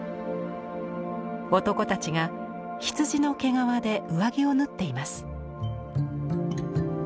男たちが羊の毛皮で上着を縫っています。